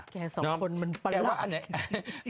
แกสองคนมันประหลาด